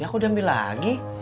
yang aku udah ambil lagi